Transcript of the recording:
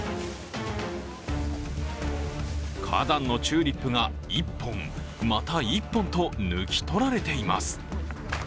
花壇のチューリップが１本また１本と抜き取られています。